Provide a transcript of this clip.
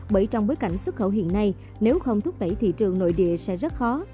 bởi trong bối cảnh xuất khẩu hiện nay nếu không thúc đẩy thị trường nội địa sẽ rất khó